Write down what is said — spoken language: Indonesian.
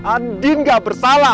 andin gak bersalah